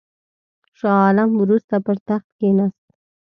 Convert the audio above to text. شاه عالم وروسته پر تخت کښېنست.